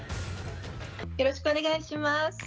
よろしくお願いします。